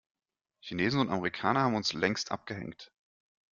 Chinesen und Amerikaner haben uns längst abgehängt.